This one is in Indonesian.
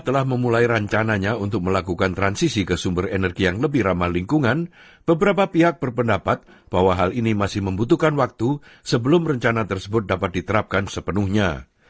setelah memulai rencananya untuk melakukan transisi ke sumber energi yang lebih ramah lingkungan beberapa pihak berpendapat bahwa hal ini masih membutuhkan waktu sebelum rencana tersebut dapat diterapkan sepenuhnya